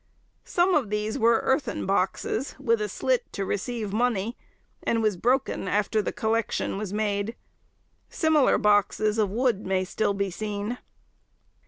Some of these were earthen boxes, with a slit to receive money, and was broken after the collection was made; similar boxes of wood may still be seen.